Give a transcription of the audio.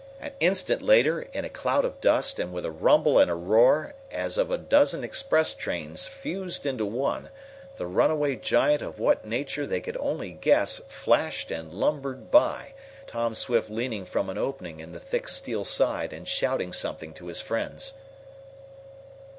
An instant later in a cloud of dust, and with a rumble and a roar as of a dozen express trains fused into one, the runaway giant of what nature they could only guess flashed and lumbered by, Tom Swift leaning from an opening in the thick steel side, and shouting something to his friends.